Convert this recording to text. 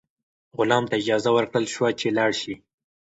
غلام ته اجازه ورکړل شوه چې لاړ شي.